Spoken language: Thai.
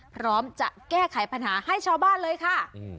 พร้อมจะแก้ไขปัญหาให้ชาวบ้านเลยค่ะ